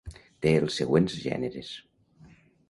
Té els següents gèneres.